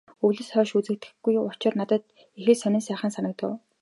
Өвлөөс хойш үзэгдээгүй учир надад их л сонин сайхан санагдав.